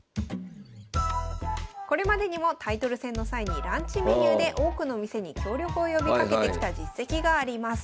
これまでにもタイトル戦の際にランチメニューで多くの店に協力を呼びかけてきた実績があります。